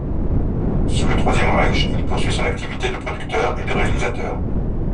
Sous le Troisième Reich, il poursuit son activité de producteur et de réalisateur.